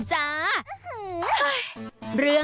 แชร์แรก